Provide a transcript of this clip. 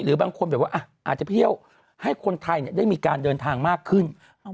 บางคนแบบว่าอาจจะไปเที่ยวให้คนไทยได้มีการเดินทางมากขึ้น